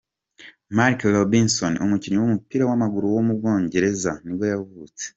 Mark Robinson, umukinnyi w’umupira w’amaguru w’umwongereza nibwo yavutse.